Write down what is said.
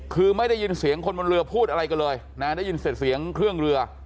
คือไม่ได้ยินเสียงคนบนเรือพูดอะไรกันเลยนะได้ยินแต่เสียงเครื่องเรือ